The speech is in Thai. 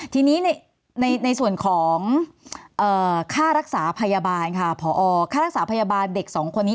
ทีนี้ในส่วนของค่ารักษาพยาบาลค่ะพอค่ารักษาพยาบาลเด็กสองคนนี้